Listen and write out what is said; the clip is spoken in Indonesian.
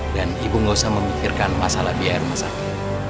dan ibu tidak usah memikirkan masalah biaya rumah sakit